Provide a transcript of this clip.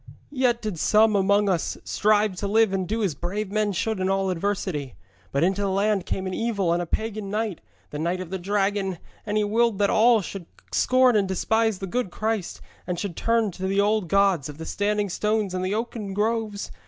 Yet did some among us strive to live and do as brave men should in all adversity. But into the land came an evil and a pagan knight, the knight of the Dragon, and he willed that all should scorn and despise the good Christ, and should turn to the old gods of the standing stones and the oaken groves.